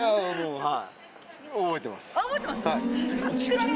はい。